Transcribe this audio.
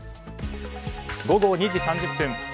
午後２時３０分。